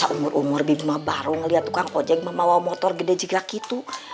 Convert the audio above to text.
umur umur bimba baru ngeliat kang ojek memawain motor gede juga gitu